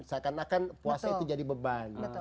seakan akan puasa itu jadi beban